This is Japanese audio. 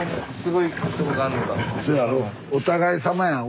お互いさまやん。